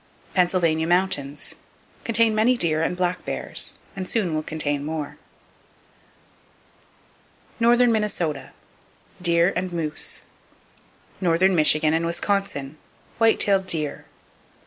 Pennsylvania Mountains : Contain many deer and black bears, and soon will contain more. Northern Minnesota : Deer and moose. Northern Michigan And Wisconsin : White tailed deer.